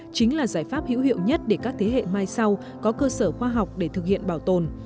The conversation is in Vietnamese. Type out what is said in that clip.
chính là giải pháp hữu hiệu nhất để các thế hệ mai sau có cơ sở khoa học để thực hiện bảo tồn